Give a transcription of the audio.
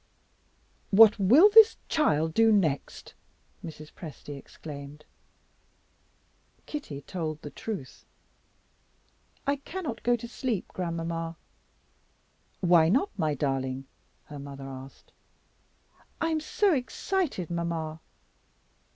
"What will this child do next?" Mrs. Presty exclaimed. Kitty told the truth. "I can't go to sleep, grandmamma." "Why not, my darling?" her mother asked. "I'm so excited, mamma."